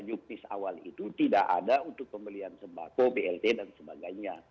juktis awal itu tidak ada untuk pembelian sembako blt dan sebagainya